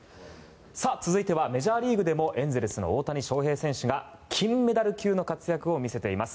続いてはメジャーリーグでもエンゼルスの大谷翔平選手が金メダル級の活躍を見せています。